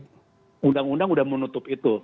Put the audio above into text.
jadi undang undang sudah menutup itu